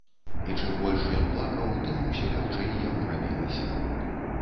І чым больш ён плакаў, тым усё лягчэй яму рабілася.